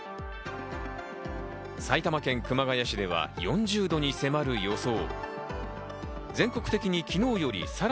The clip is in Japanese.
埼玉県熊谷市では、４０度に迫る予想。